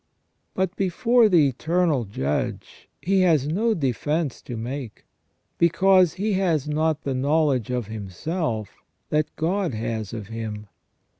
But before the Eternal Judge he has no defence to make, because he has not the knowledge of himself that God has of him.